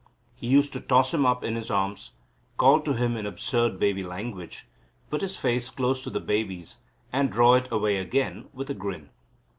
He used to toss him up in his arms, call to him in absurd baby language, put his face close to the baby's and draw it away again with a grin.